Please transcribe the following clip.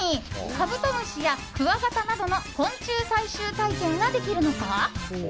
カブトムシやクワガタなどの昆虫採集体験ができるのか。